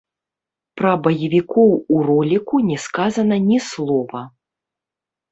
Пра баевікоў у роліку не сказана ні слова.